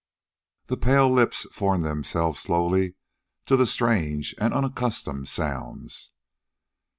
The pale lips formed themselves slowly to the strange and unaccustomed sounds.